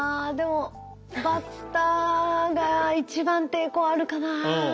でもバッタが一番抵抗あるかな。